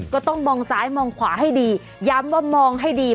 ก็ต้องมองซ้ายมองขวาให้ดีย้ำว่ามองให้ดี